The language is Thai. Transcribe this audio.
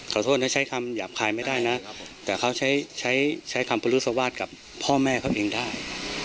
ขอโทษนะใช้คำหยาบคายไม่ได้นะแต่เขาใช้ใช้คำปรุสวาสกับพ่อแม่เขาเองได้